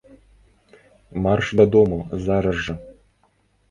Марш дадому зараз жа!